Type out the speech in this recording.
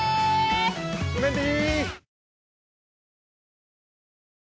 うメンディー！